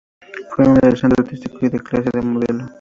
Fue miembro del Centro Artístico y de Clase de Modelo.